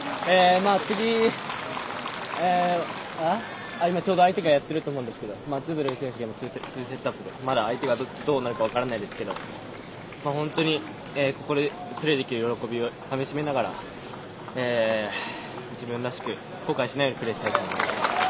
次今、ちょうど相手がやってると思うんですけどズベレフ選手も２セットアップでまだ相手がどうなるか分からないですけど本当にここでプレーできる喜びをかみ締めながら自分らしく、後悔しないようにプレーしたいと思います。